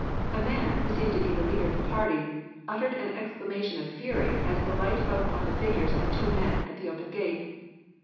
A man, who seemed to be the leader of the party, uttered an exclamation of fury as the light fell upon the figures of the two men at the open gate.